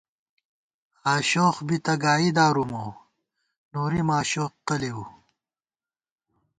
آشوخ بی تہ گائی دارُو مو، نوری ماشوقہ لېؤو